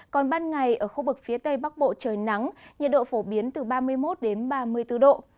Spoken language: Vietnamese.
còn ban ngày ở khu vực phía tây bắc bộ trời nắng nhiệt độ phổ biến từ ba mươi một đến ba mươi bốn độ